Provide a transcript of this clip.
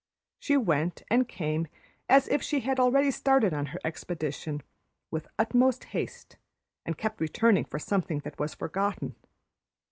She went and came as if she had already started on her expedition with utmost haste and kept returning for something that was forgotten.